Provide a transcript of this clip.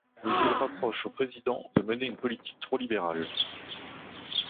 Mais il rapproche au président de mener une politique trop libéral.